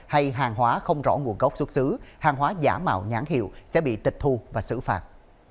hay hàng hóa không rõ nguồn gốc xuất xứ hàng hóa giả mạo nhãn hiệu sẽ bị tịch thu và xử phạt